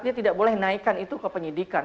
dia tidak boleh naikkan itu ke penyidikan